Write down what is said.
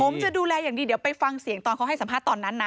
ผมจะดูแลอย่างดีเดี๋ยวไปฟังเสียงตอนเขาให้สัมภาษณ์ตอนนั้นนะ